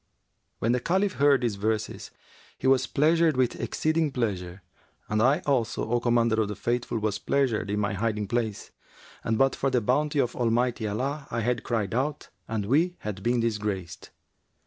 When the Caliph heard these verses, he was pleasured with exceeding pleasure, and I also, O Commander of the Faithful, was pleasured in my hiding place, and but for the bounty of Almighty Allah, I had cried out and we had been disgraced.